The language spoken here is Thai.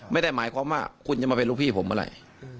ไม่ได้หมายความว่าคุณจะมาเป็นลูกพี่ผมเมื่อไหร่